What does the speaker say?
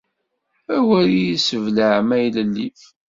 Awer iy-issebleɛ maylellif.